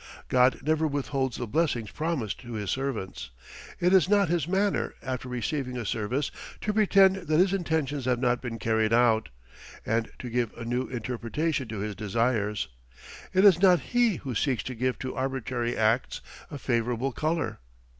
God never withholds the blessings promised to His servants. It is not His manner after receiving a service to pretend that His intentions have not been carried out, and to give a new interpretation to His desires; it is not He who seeks to give to arbitrary acts a favourable colour.